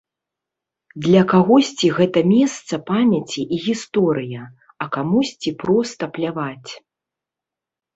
Для кагосьці гэта месца памяці і гісторыя, а камусьці проста пляваць.